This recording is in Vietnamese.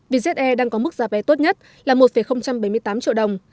vì ze đang có mức già vé tốt nhất là một bảy mươi tám triệu đồng